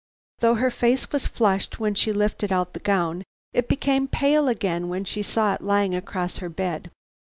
"Though her face was flushed when she lifted out the gown, it became pale again when she saw it lying across her bed.